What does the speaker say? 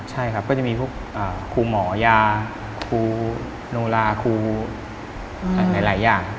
ใช่ครับก็จะมีพวกครูหมอยาครูโนลาครูหลายอย่างครับ